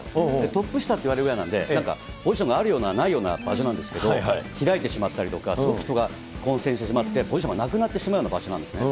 トップ下といわれるぐらいなんで、ポジションがあるようなないような場所なんですけれども、開いてしまったりとか、混戦してしまって、ポジションがなくなってしまうような場所なんですね。